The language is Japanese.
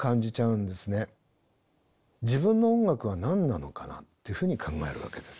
自分の音楽は何なのかなっていうふうに考えるわけです